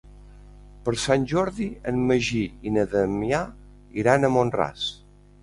Per Sant Jordi en Magí i na Damià iran a Mont-ras.